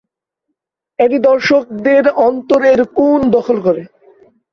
এটি দর্শকদের অন্তরের কোণ দখল করে।